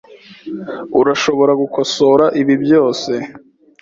Urashobora gukosora ibi byose .